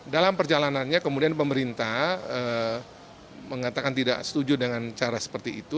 dalam perjalanannya kemudian pemerintah mengatakan tidak setuju dengan cara seperti itu